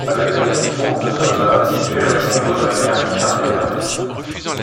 Avec sa petite troupe de soldats, ils tuèrent de nombreux Amérindiens à travers l'île.